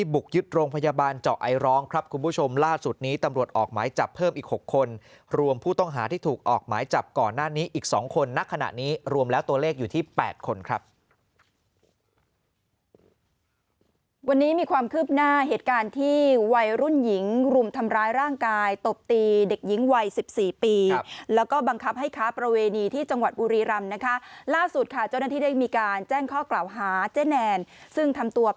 บุกยึดโรงพยาบาลเจาะไอร้องครับคุณผู้ชมล่าสุดนี้ตำรวจออกหมายจับเพิ่มอีก๖คนรวมผู้ต้องหาที่ถูกออกหมายจับก่อนหน้านี้อีก๒คนนักขณะนี้รวมแล้วตัวเลขอยู่ที่๘คนครับวันนี้มีความคืบหน้าเหตุการณ์ที่วัยรุ่นหญิงรุมทำร้ายร่างกายตบตีเด็กหญิงวัย๑๔ปีแล้วก็บังคับให้ค้าประเวณีที่จังหว